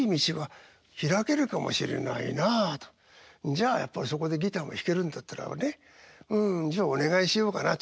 じゃあやっぱりそこでギターも弾けるんだったらばねうんじゃあお願いしようかなって。